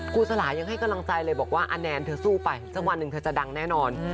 ครูสลายังให้กำลังใจเลยบอกว่าอแนนเธอสู้ไปสักวันหนึ่งเธอจะดังแน่นอน